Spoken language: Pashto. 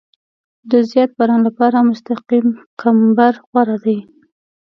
د زیات باران لپاره مستقیم کمبر غوره دی